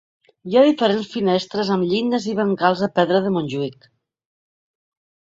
Hi ha diferents finestres amb llindes i brancals de pedra de Montjuïc.